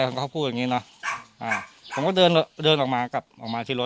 เขาก็พูดอย่างงี้เนอะอ่าผมก็เดินเดินออกมากลับออกมาที่รถ